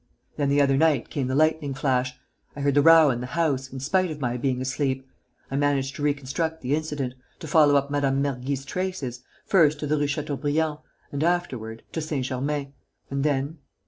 Then, the other night, came the lightning flash. I heard the row in the house, in spite of my being asleep. I managed to reconstruct the incident, to follow up Mme. Mergy's traces, first, to the Rue Chateaubriand and, afterward, to Saint Germain.... And then